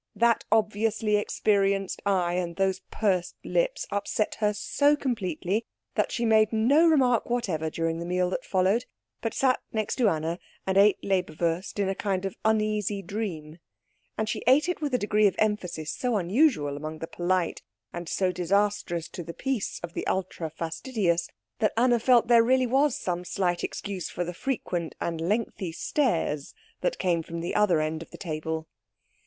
That obviously experienced eye and those pursed lips upset her so completely that she made no remark whatever during the meal that followed, but sat next to Anna and ate Leberwurst in a kind of uneasy dream; and she ate it with a degree of emphasis so unusual among the polite and so disastrous to the peace of the ultra fastidious that Anna felt there really was some slight excuse for the frequent and lengthy stares that came from the other end of the table.